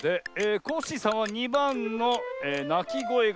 コッシーさんは２ばんの「なきごえがない」。